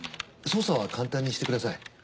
操作は簡単にしてください。